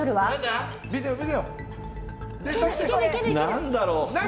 何だろう。